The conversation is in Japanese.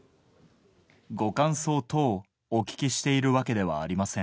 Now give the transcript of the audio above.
ご感想等お聞きしているわけではありません。